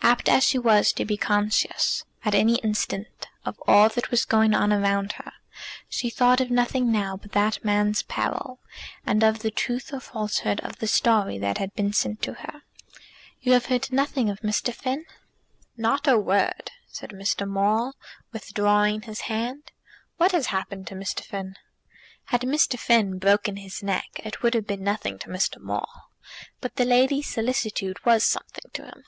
Apt as she was to be conscious at an instant of all that was going on around her, she thought of nothing now but that man's peril, and of the truth or falsehood of the story that had been sent to her. "You have heard nothing of Mr. Finn?" "Not a word," said Mr. Maule, withdrawing his hand. "What has happened to Mr. Finn?" Had Mr. Finn broken his neck it would have been nothing to Mr. Maule. But the lady's solicitude was something to him.